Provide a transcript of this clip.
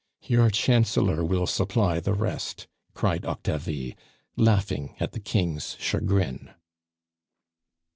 "Your Chancellor will supply the rest," cried Octavie, laughing at the King's chagrin.